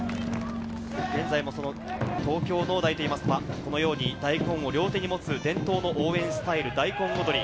現在もその東京農大といいますと、このように大根を両手に持つ伝統の応援スタイル、大根踊り。